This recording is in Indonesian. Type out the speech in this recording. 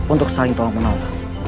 untuk saling tolong menolak